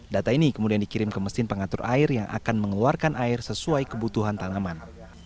data ini kemudian dikirim ke mesin pengatur air yang akan mengeluarkan air sesuai kebutuhan tanaman